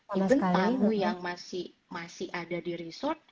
even tamu yang masih ada di resort